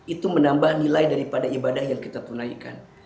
itu menambah nilai daripada ibadah yang kita tunaikan